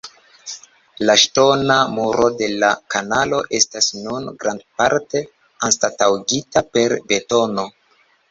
La ŝtona muro de la kanalo estas nun grandparte anstataŭigita per betono.